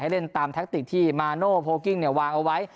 ให้เล่นตามทรัครติกที่มาโน่โฟล์กิ้งเนี่ยวางเอาไว้